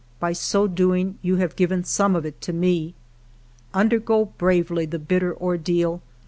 By so doing you have given some of it to me. ... Undergo bravely the bitter ordeal.